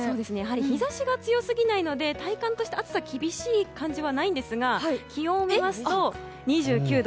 日差しが強すぎないので体感として暑さが厳しい感じはないんですが気温を見ますと２９度。